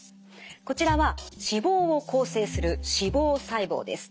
こちらは脂肪を構成する脂肪細胞です。